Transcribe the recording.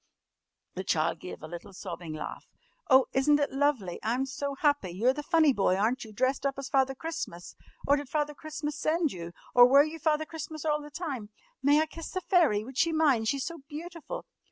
The child gave a little sobbing laugh. "Oh, isn't it lovely? I'm so happy! You're the funny boy, aren't you, dressed up as Father Christmas? Or did Father Christmas send you? Or were you Father Christmas all the time? May I kiss the fairy? Would she mind? She's so beautiful!"